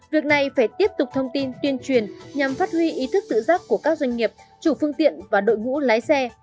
việc này phải tiếp tục thông tin tuyên truyền nhằm phát huy ý thức tự giác của các doanh nghiệp chủ phương tiện và đội ngũ lái xe